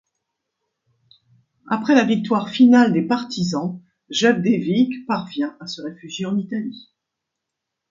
Après la victoire finale des Partisans, Jevđević parvient à se réfugier en Italie.